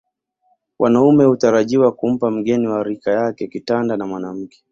Wanaume hutarajiwa kumpa mgeni wa rika yake kitanda na mwanamke